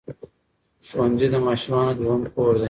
ښوونځي د ماشومانو دویم کور دی.